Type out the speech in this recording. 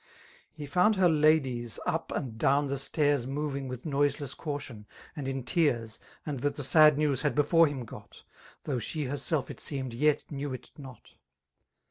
He found her ladies upsuid down the stairs Moving with noiseless caution, and in tears, And that the sad news had before him got. Though she herself, it seemed, yet knew it not.